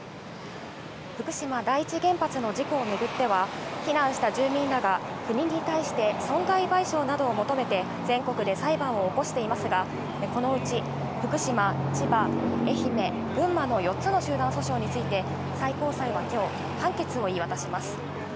福島第一原発の事故をめぐっては避難した住民らが、国に対して損害賠償などを求めて、全国で裁判を起こしていますが、このうち福島、千葉、愛媛、群馬の４つの集団訴訟について最高裁は今日、判決を言い渡します。